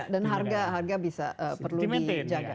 dan harga bisa perlu dijaga